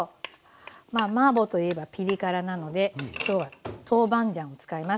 まあマーボーといえばピリ辛なので今日は豆板醤を使います。